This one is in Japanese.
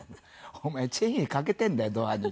「お前チェーンかけてんだよドアに」っつって。